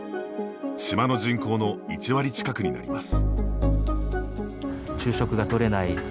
島の人口の１割近くになります。